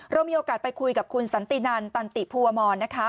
เรามีโอกาสไปคุยกับคุณสันตินันตันติภูวมรนะคะ